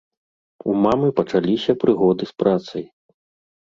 У мамы пачаліся прыгоды з працай.